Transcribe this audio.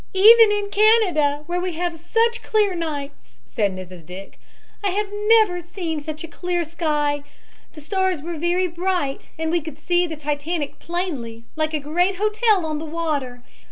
"Even in Canada, where we have such clear nights," said Mrs. Dick, "I have never seen such a clear sky. The stars were very bright and we could see the Titanic plainly, like a great hotel on the water.